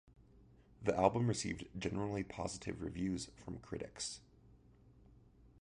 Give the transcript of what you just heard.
The album received generally positive reviews from critics.